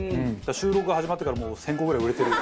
収録が始まってからもう１０００個ぐらい売れてる。